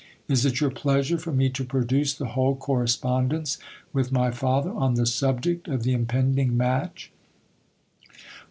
Is it your pleasure for me to produce the whole correspondence with my father on the subject of the impending match